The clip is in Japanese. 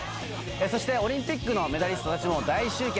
そしてオリンピックのメダリストたちも大集結。